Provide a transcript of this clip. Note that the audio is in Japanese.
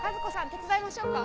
手伝いましょうか？